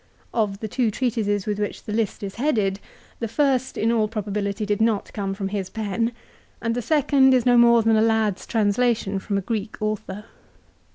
Of the two .treatises with which the list is headed the first in all probability did not come from his pen, and the second is no more than a lad's translation from a Greek author.